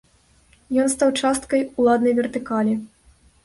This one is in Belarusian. Ён стаў часткай уладнай вертыкалі.